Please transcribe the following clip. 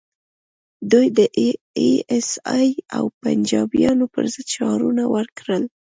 دوی د ای ایس ای او پنجابیانو پر ضد شعارونه ورکړل